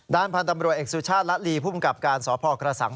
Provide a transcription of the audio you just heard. ด้านพันธ์ตำรวจเอกสุชาติละลีผู้กับการสอบพกระสัง